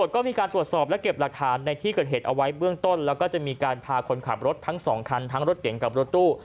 ก็มีการตรวจสอบและเก็บหลักฐานในที่เกิดเหตุเอาไว้เบื้องต้นแล้วก็จะมีการพาคนขับรถทั้งสองคันทั้งรถเก่งกับรถตู้